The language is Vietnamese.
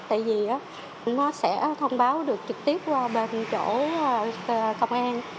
tại vì nó sẽ thông báo được trực tiếp qua bên chỗ công an